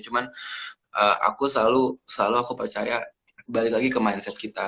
cuman aku selalu aku percaya balik lagi ke mindset kita